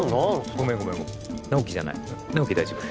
ごめんごめん直木じゃない直木大丈夫